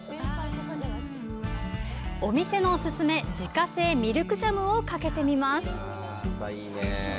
お店のお勧め、自家製ミルクジャムをかけてみます。